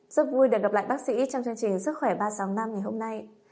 rất vui được gặp lại bác sĩ trong chương trình sức khỏe ba sáu năm ngày hôm nay